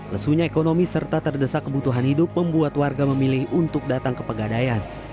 lesunya ekonomi serta terdesak kebutuhan hidup membuat warga memilih untuk datang ke pegadaian